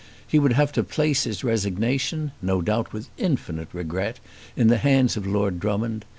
He would have to place his resignation, no doubt with infinite regret, in the hands of Lord Drummond.